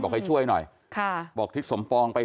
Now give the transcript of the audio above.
ให้ช่วยหน่อยค่ะบอกทิศสมปองไป